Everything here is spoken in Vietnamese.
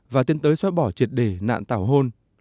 và tiến tới xóa bỏ triệt đề nạn tảo hôn